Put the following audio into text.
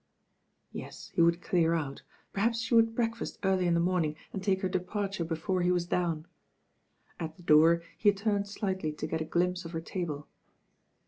Yes, he would clear out, perhaps she would breakfast early in the morning and take her departure before he was down. At the door he turned slightly to get a glimpse of her table.